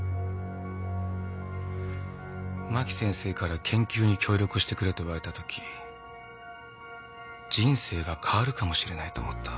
真木先生から研究に協力してくれと言われた時人生が変わるかもしれないと思った。